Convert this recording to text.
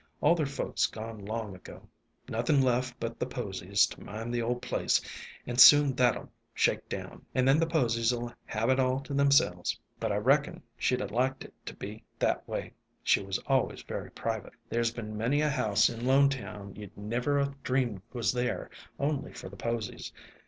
All their folks gone long ago. Nothing left but the posies to mind the old place, and soon that '11 shake down, and then the posies '11 have it all to themselves. But I reckon she 'd 'a' liked it to be that way; she was always very private. There 's been many a house in Lonetown you 'd never 'a' dreamed was there, only for the posies.